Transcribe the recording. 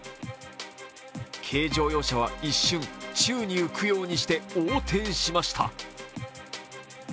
軽乗用車は一瞬、宙に浮くようにして横転しました。